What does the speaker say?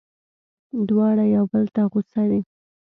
دواړه یو بل ته غوسه دي.